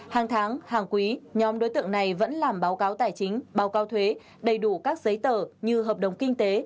hàng tháng hàng quý nhóm đối tượng này vẫn làm báo cáo tài chính báo cáo thuế đầy đủ các giấy tờ như hợp đồng kinh tế